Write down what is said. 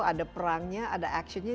ada perangnya ada actionnya